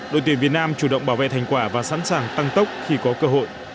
đội tuyển việt nam chủ động bảo vệ thành quả và sẵn sàng tăng tốc khi có cơ hội